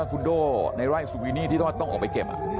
พวกมันกลับมาเมื่อเวลาที่สุดพวกมันกลับมาเมื่อเวลาที่สุด